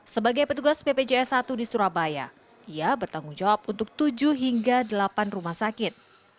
sebagai petugas bpjs satu di surabaya ia bertanggung jawab untuk tujuh hingga delapan rumah sakit